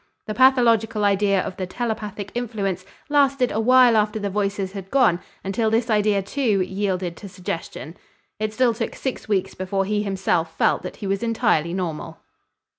The pathological idea of the telepathic influence lasted a while after the voices had gone until this idea, too, yielded to suggestion. It still took six weeks before he himself felt that he was entirely normal.